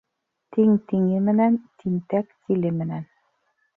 Тиң тиңе менән, тинтәк тиле менән.